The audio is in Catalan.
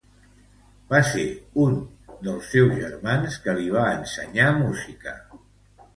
Va ser un dels seus germans qui li va ensenyar música.